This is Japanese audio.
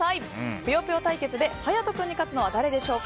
「ぷよぷよ」対決で勇人君に勝つのは誰でしょうか。